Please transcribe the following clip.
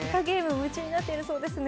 夢中になっているそうですね？